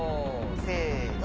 せの。